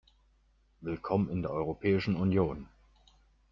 Willkommen in der Europäischen Union!